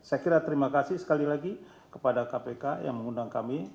saya kira terima kasih sekali lagi kepada kpk yang mengundang kami